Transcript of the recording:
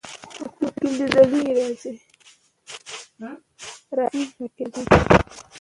تعصب له دلیل پرته قضاوت دی